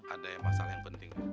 ada masalah yang penting